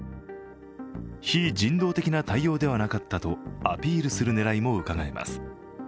非人道的な対応ではなかったとアピールする狙いもうかがえます。